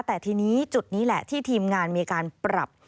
แต่ทีนี้จุดนี้แหละที่ทีมงานมีการปรับ